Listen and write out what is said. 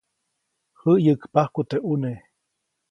Jäyʼäkpajku teʼ ʼuneʼ.